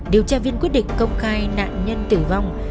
điều tra viên quyết định công khai nạn nhân tử vong